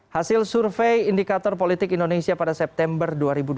hasil survei indikator politik indonesia pada september dua ribu dua puluh